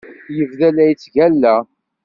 Yebda la yettgalla.